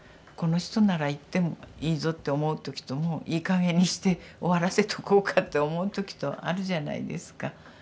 この人なら言ってもいいぞって思う時ともういいかげんにして終わらせとこうかと思う時とあるじゃないですか。